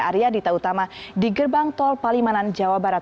arya dita utama di gerbang tol palimanan jawa barat